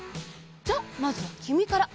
じゃあまずはきみから！